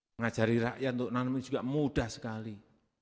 mengajari rakyat untuk nanam ini juga mudah sekali